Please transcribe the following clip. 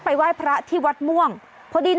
ผู้หญิงใคร่ไปนอกไหน